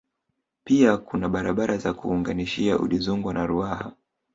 Pia kuna barabara za kuunganishia Udizungwa na Ruaha